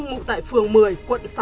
ngụ tại phường một mươi quận sáu